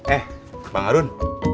eh bang harun